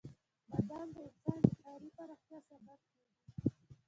بادام د افغانستان د ښاري پراختیا سبب کېږي.